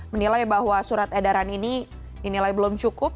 menilai bahwa surat edaran ini dinilai belum cukup